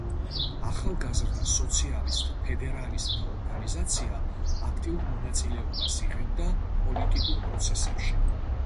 ახალგაზრდა სოციალისტ-ფედერალისტთა ორგანიზაცია აქტიურ მონაწილეობას იღებდა პოლიტიკურ პროცესებში.